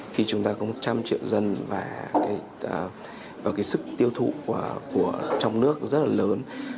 khi chúng ta có một trăm linh triệu dân và sức tiêu thụ trong nước rất là lớn